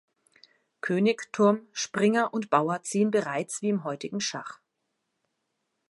König, Turm, Springer und Bauer ziehen bereits wie im heutigen Schach.